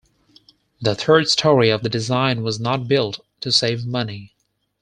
The third story of the design was not built to save money.